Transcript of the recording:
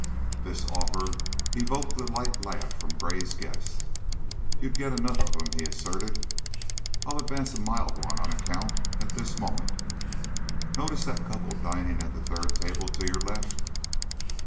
This offer evoked a light laugh from Gray's guest. "You'd get enough of 'em," he asserted. "I'll advance a mild one, on account, at this moment. Notice the couple dining at the third table to your left."